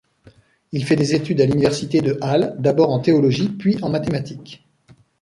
Il fait des études à l'université de Halle, d'abord en théologie puis en mathématiques.